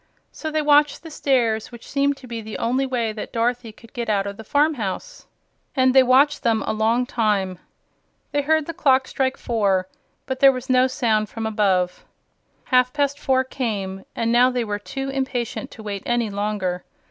So they watched the stairs, which seemed to be the only way that Dorothy could get out of the farmhouse, and they watched them a long time. They heard the clock strike four but there was no sound from above. Half past four came, and now they were too impatient to wait any longer.